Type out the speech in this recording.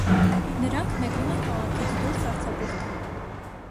Նրանք մեկնում են քաղաքից դուրս արձակուրդի։